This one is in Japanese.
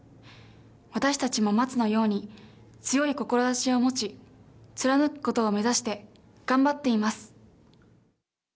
私たちも、松のように強い志を持ち、貫くことを目指して頑張っています。